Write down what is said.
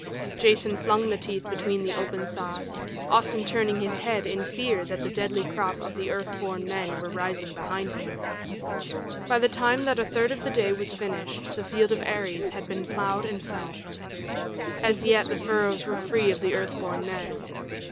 Jason flung the teeth between the open sods, often turning his head in fear that the deadly crop of the Earth born Men were rising behind him. By the time that a third of the day was finished the field of Ares had been plowed and sown. As yet the furrows were free of the Earth born Men.